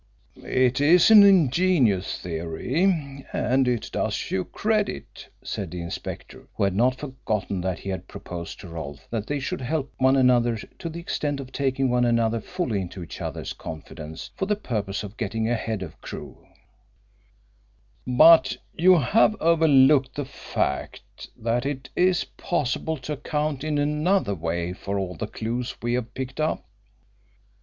"It is an ingenious theory and it does you credit," said the inspector, who had not forgotten that he had proposed to Rolfe that they should help one another to the extent of taking one another fully into each other's confidence, for the purpose of getting ahead of Crewe. "But you have overlooked the fact that it is possible to account in another way for all the clues we have picked up.